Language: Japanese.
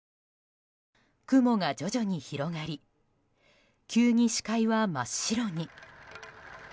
雲が徐々に広がり急に視界は真っ白に。